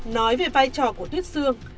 nói về vai trò của tuyết xương